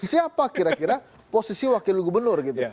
siapa kira kira posisi wakil gubernur gitu